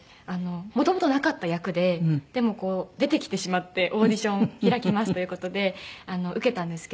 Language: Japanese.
もともとなかった役ででも出てきてしまってオーディション開きますという事で受けたんですけど。